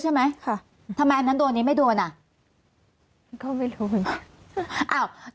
ใช่ไหมค่ะทำไมอันนั้นโดนนี้ไม่โดนอ่ะก็ไม่รู้เหมือนกัน